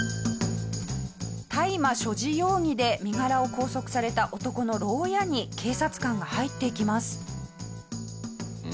大麻所持容疑で身柄を拘束された男の牢屋に警察官が入っていきます。